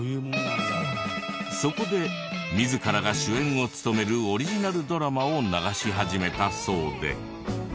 そこで自らが主演を務めるオリジナルドラマを流し始めたそうで。